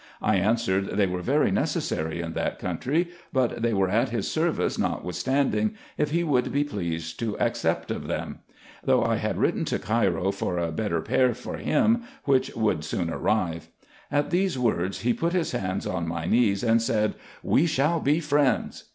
I answered, they were very necessary in that country, but they were at his service notwithstanding, if he would be pleased to accept of them; though 1 had written to Cairo for a better pair for him, which would soon arrive. At these words, he put his hands on my knees, and said, "We shall be friends."